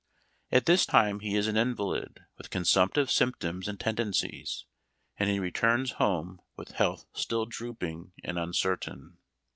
At this time he is an invalid, with consumptive symptoms and tendencies, and he returns home with health still drooping and uncertain.